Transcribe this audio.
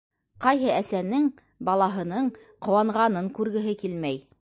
- Ҡайһы әсәнең балаһының ҡыуанғанын күргеһе килмәй.